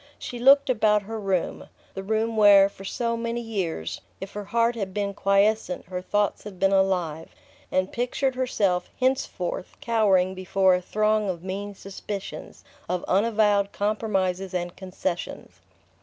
She looked about her room, the room where, for so many years, if her heart had been quiescent her thoughts had been alive, and pictured herself henceforth cowering before a throng of mean suspicions, of unavowed compromises and concessions.